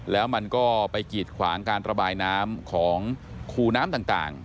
แล้วมันก็ไปกีดขวางการระบายน้ำของคูน้ำต่าง